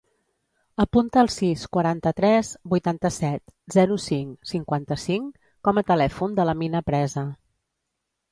Apunta el sis, quaranta-tres, vuitanta-set, zero, cinc, cinquanta-cinc com a telèfon de l'Amina Presa.